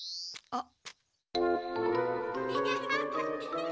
あっ！？